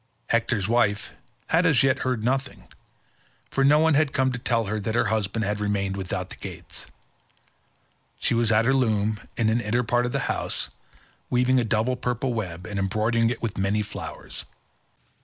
Hector's wife had as yet heard nothing, for no one had come to tell her that her husband had remained without the gates. She was at her loom in an inner part of the house, weaving a double purple web, and embroidering it with many flowers.